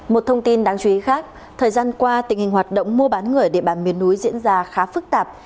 một thông tin đáng chú ý khác thời gian qua tình hình hoạt động mua bán người ở địa bàn miền núi diễn ra khá phức tạp